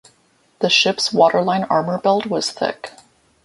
The ship's waterline armor belt was thick.